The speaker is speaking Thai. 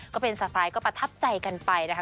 ก็เป็นสไพรส์ก็ประทับใจกันไปนะคะ